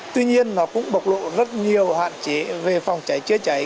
tuy nhiên nó cũng bộc lộ rất nhiều hạn chế về phòng cháy chữa cháy